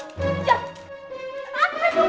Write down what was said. pelit banget si tipe sihir